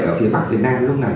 ở phía bắc việt nam lúc này